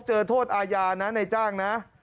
เจอโทษอาญานะในจ้างนะ